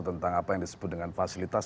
tentang apa yang disebut dengan fasilitas